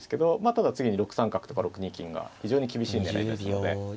ただ次に６三角とか６二金が非常に厳しい狙いですので。